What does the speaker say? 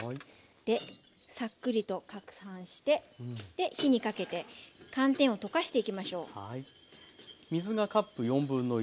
サックリとかくはんして火にかけて寒天を溶かしていきましょう。